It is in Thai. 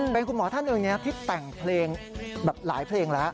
เป็นคุณหมอท่านหนึ่งที่แต่งเพลงแบบหลายเพลงแล้ว